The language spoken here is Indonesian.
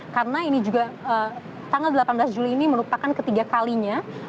karena ini juga tanggal delapan belas juli ini merupakan ketiga kalinya